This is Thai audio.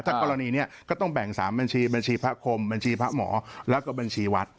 ถ้ากรณีนี้ก็ต้องแบ่ง๓บัญชีบัญชีพระคมบัญชีพระหมอแล้วก็บัญชีวัด